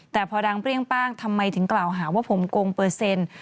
แต่พอดังเปรี้ยงป้างทำไมถึงกล่าวหาว่าผมโกงเปอร์เซ็นต์